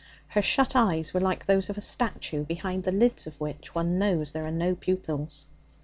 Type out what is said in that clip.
Her shut eyes were like those of a statue, behind the lids of which one knows there are no pupils.